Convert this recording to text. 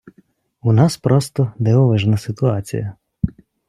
У нас просто дивовижна ситуація.